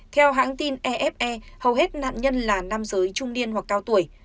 theo hãng tin efe hầu hết nạn nhân là nam giới trung niên hoặc cao tuổi